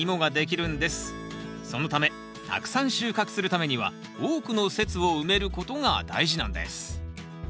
そのためたくさん収穫するためには多くの節を埋めることが大事なんです